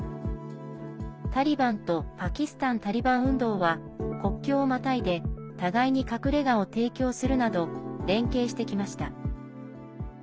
タリバンとパキスタン・タリバン運動は国境をまたいで互いに隠れがを提供するなど連携してきました。